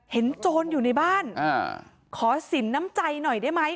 โจรอยู่ในบ้านขอสินน้ำใจหน่อยได้ไหม